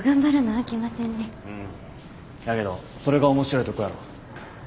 やけどそれが面白いとこやろ。